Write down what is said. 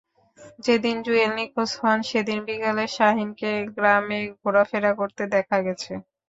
যেদিন জুয়েল নিখোঁজ হন, সেদিন বিকেলে শাহিনকে গ্রামে ঘোরাফেরা করতে দেখা গেছে।